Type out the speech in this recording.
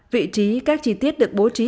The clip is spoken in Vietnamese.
vị trí các chi tiết được bố trí